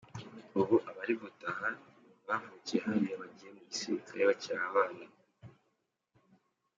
Ubu abari gutaha ni mu bavukiye hariya bagiye mu gisirikare bakiri abana.